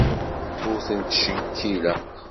Ur tent-ttcekkileɣ.